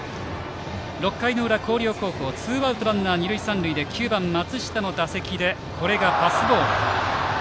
６回の裏、広陵高校ツーアウトランナー、二塁三塁で９番、松下の打席でパスボール。